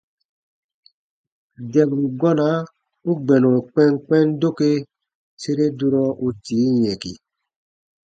Dɛburu gɔna u gbɛnɔ kpɛnkpɛn doke sere durɔ u tii yɛ̃ki.